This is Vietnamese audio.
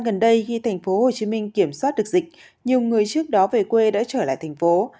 gần đây khi tp hcm kiểm soát được dịch nhiều người trước đó về quê đã trở lại thành phố